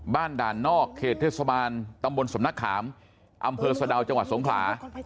ด่านนอกเขตเทศบาลตำบลสำนักขามอำเภอสะดาวจังหวัดสงขลา